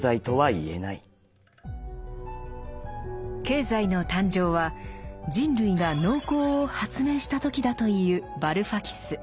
経済の誕生は人類が農耕を「発明」した時だと言うバルファキス。